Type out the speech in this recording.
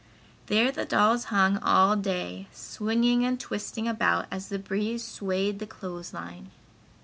There the dolls hung all day, swinging and twisting about as the breeze swayed the clothes line.